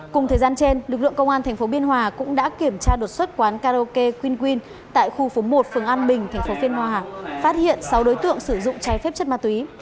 cùng thời gian trên lực lượng công an tp biên hòa cũng đã kiểm tra đột xuất quán karaoke queen quyên tại khu phố một phường an bình tp biên hòa phát hiện sáu đối tượng sử dụng trái phép chất ma túy